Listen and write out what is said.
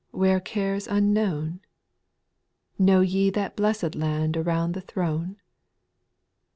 Where care 's unknown ? Know ye that blessed land Around the throne